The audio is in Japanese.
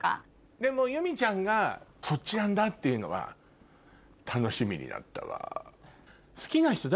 でも祐実ちゃんがそっちなんだっていうのは楽しみになったわ。